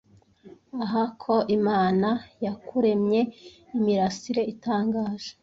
ah ko imana yakuremye imirasire itangaje